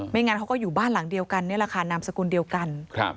งั้นเขาก็อยู่บ้านหลังเดียวกันนี่แหละค่ะนามสกุลเดียวกัน